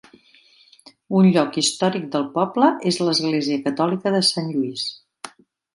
Un lloc històric del poble és l'església catòlica de Sant Lluís.